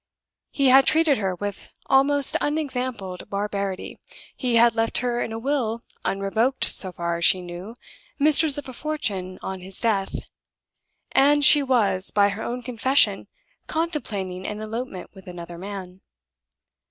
He had treated her with almost unexampled barbarity; he had left her in a will (unrevoked so far as she knew) mistress of a fortune on his death; and she was, by her own confession, contemplating an elopement with another man.